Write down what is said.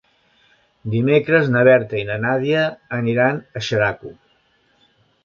Dimecres na Berta i na Nàdia aniran a Xeraco.